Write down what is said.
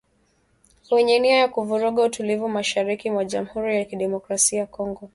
Wenye nia ya kuvuruga utulivu mashariki mwa Jamhuri ya Kidemokrasia ya Kongo